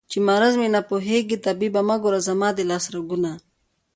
چې په مرض مې نه پوهېږې طبيبه مه ګوره زما د لاس رګونه